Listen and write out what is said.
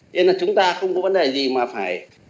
nên là chúng ta không có vấn đề gì mà phải